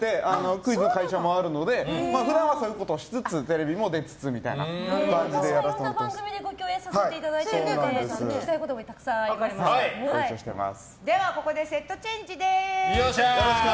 クイズの会社もあるので普段はそういうこともしつつテレビも出つつみたいな感じで私もいろんな番組でご共演させていただいているので聞きたいことがここでセットチェンジです。